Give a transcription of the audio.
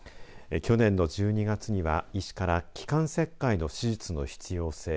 去年の１２月には医師から気管切開の手術の必要性